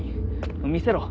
見せろ。